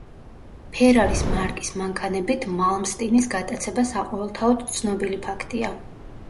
ფერარის მარკის მანქანებით მალმსტინის გატაცება საყოველთაოდ ცნობილი ფაქტია.